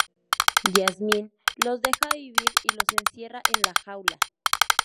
Jasmine los deja vivir, y los encierra en la jaula.